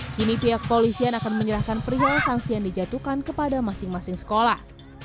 kini pihak polisian akan menyerahkan perihal sanksi yang dijatuhkan kepada masing masing sekolah